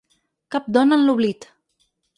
Cap dona en l’oblit!